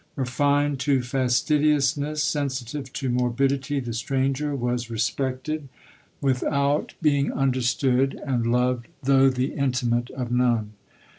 Refined to fastidiousness, sensitive to morbidity, the stranger was respected without c 2 28 LODORE. being understood, and loved though the intimate of none.